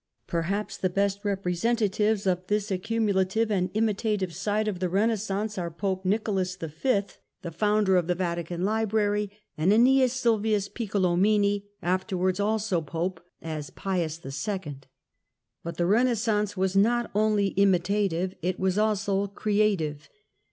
Perhaps the best representatives of this accumulative and imitative side of the Renaissance are Pope Nicolas v., the founder of the Vatican Library, and vEneas Sylvius Piccolomini, afterwards also Pope as Pius II. But the Renaissance was not only imitative : it was also creative.